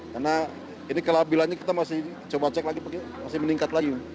karena ini kelabilannya kita masih coba cek lagi masih meningkat lagi